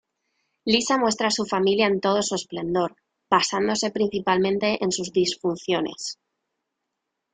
Lisa muestra a su familia en todo su esplendor, basándose principalmente en sus disfunciones.